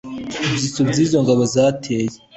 ibyitso by izo ngabo zateye